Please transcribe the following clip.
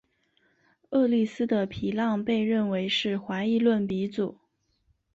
厄利斯的皮浪被认为是怀疑论鼻祖。